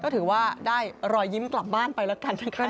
ถือว่าได้รอยยิ้มกลับบ้านไปแล้วกันนะครับ